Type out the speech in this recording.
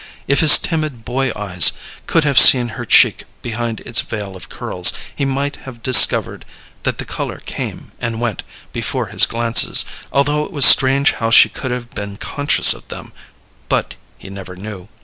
If his timid boy eyes could have seen her cheek behind its veil of curls, he might have discovered that the color came and went before his glances, although it was strange how she could have been conscious of them; but he never knew.